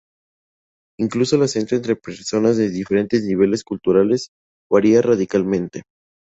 Incluso el acento entre personas de diferentes niveles culturales varía radicalmente.